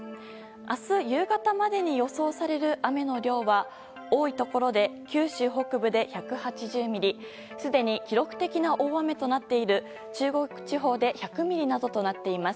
明日、夕方までに予想される雨の量は多いところで九州北部で１８０ミリすでに記録的な大雨となっている中国地方で１００ミリなどとなっています。